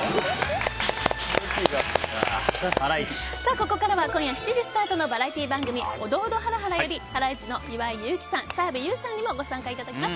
ここからは今夜７時スタートのバラエティー番組「オドオド×ハラハラ」よりハライチの岩井勇気さん澤部佑さんにもご参加いただきます。